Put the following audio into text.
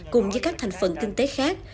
cùng với các thành phần kinh tế khác